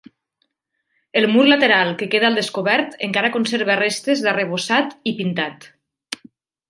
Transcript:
El mur lateral que queda al descobert encara conserva restes d'arrebossat i pintat.